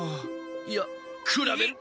いやくらべる。